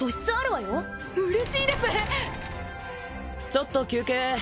ちょっと休憩。